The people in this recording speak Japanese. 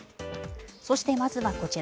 そして、まずはこちら。